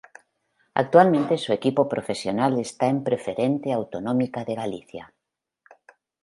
Actualmente su equipo profesional está en Preferente Autonómica de Galicia.